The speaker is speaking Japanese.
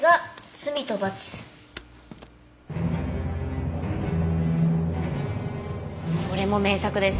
『罪と罰』これも名作です。